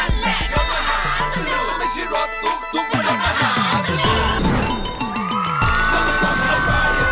นั่นแหละรถมหาสนุกมันไม่ใช่รถตุ๊กตุ๊ก